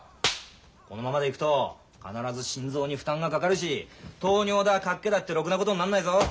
このままでいくと必ず心臓に負担がかかるし糖尿だかっけだってろくなことになんないぞ。